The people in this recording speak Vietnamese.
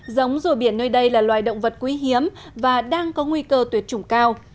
giống rùa biển nơi đây là loài động vật quý hiếm và đang có nguy cơ tuyệt chủng cao